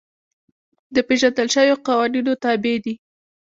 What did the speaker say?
د پېژندل شویو قوانینو تابع دي.